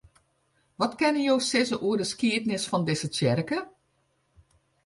Wat kinne jo sizze oer de skiednis fan dizze tsjerke?